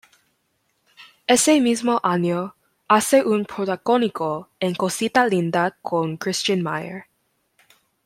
Ese mismo año hace un protagónico en "Cosita linda", con Christian Meier.